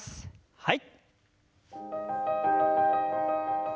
はい。